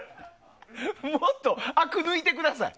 もっとあくを抜いてください。